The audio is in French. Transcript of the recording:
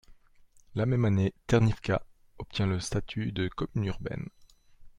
La même année Ternivka obtient le statut de commune urbaine.